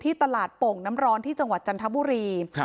ตลาดโป่งน้ำร้อนที่จังหวัดจันทบุรี